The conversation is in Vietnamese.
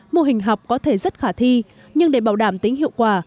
mô hình học có thể rất khả thi nhưng để bảo đảm tính hiệu quả